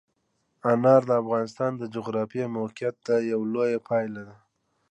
انار د افغانستان د جغرافیایي موقیعت یوه لویه پایله ده.